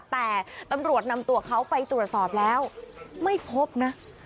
แต่ตำรวจนำตัวเขาไปตรวจสอบแล้วไม่พบนะ